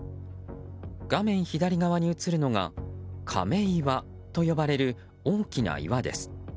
画面左側に映るのが亀岩と呼ばれる大きな岩です。